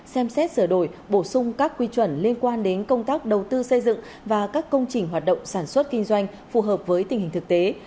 xem xét sửa đổi bổ sung các quy chuẩn liên quan đến công tác đầu tư xây dựng và các công trình hoạt động sản xuất kinh doanh phù hợp với tình hình thực tế